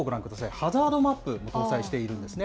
ハザードマップも搭載されていますね。